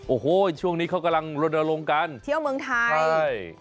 โอ้โหช่วงนี้เขากำลังลนลงกันเที่ยวเมืองไทยใช่